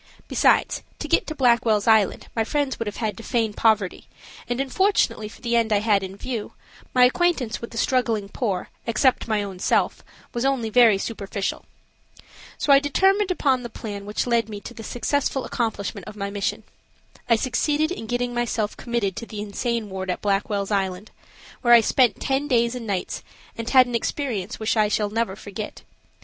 Besides, to get to Blackwell's Island my friends would have had to feign poverty, and, unfortunately for the end I had in view, my acquaintance with the struggling poor, except my own self, was only very superficial. So I determined upon the plan which led me to the successful accomplishment of my mission. I succeeded in getting committed to the insane ward at Blackwell's Island, where I spent ten days and nights and had an experience which I shall never forget.